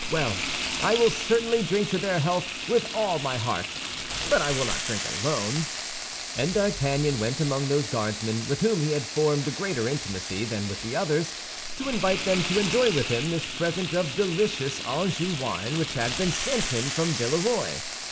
Well, I will certainly drink to their health with all my heart, but I will not drink alone." And D'Artagnan went among those Guardsmen with whom he had formed greater intimacy than with the others, to invite them to enjoy with him this present of delicious Anjou wine which had been sent him from Villeroy.